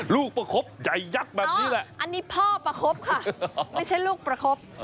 ลูกประคบใจยักษ์แบบนี้แหละอันนี้พ่อประคบค่ะไม่ใช่ลูกประคบ